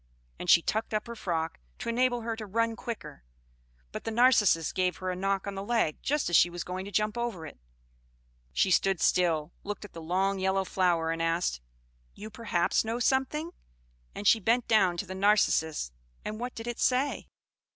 And she tucked up her frock, to enable her to run quicker; but the Narcissus gave her a knock on the leg, just as she was going to jump over it. So she stood still, looked at the long yellow flower, and asked, "You perhaps know something?" and she bent down to the Narcissus. And what did it say?